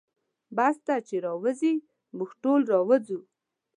بس ته چې راووځې موږ ټول راوځو.